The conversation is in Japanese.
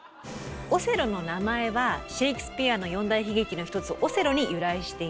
オセロの名前はシェークスピアの四大悲劇のひとつ「オセロ」に由来しています。